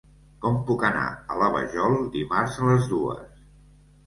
Com puc anar a la Vajol dimarts a les dues?